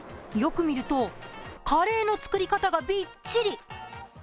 よく見ると、カレーの作り方がビッチリ。